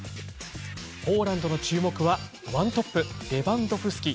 ポーランドの注目は１トップ、レバンドフスキ。